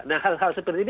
nah hal hal seperti ini